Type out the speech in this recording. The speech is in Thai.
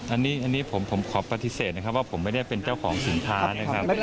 อันนี้ผมขอปฏิเสธนะครับว่าผมไม่ได้เป็นเจ้าของสินค้านะครับ